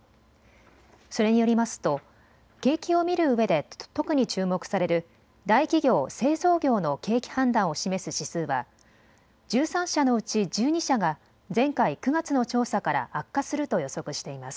それによりますと景気を見るうえで特に注目される大企業・製造業の景気判断を示す指数は１３社のうち１２社が前回９月の調査から悪化すると予測しています。